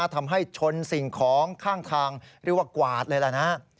ทำให้ชนสิ่งของข้างทางเรียกว่ากวาดเลยล่ะนะ